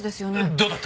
どうだった？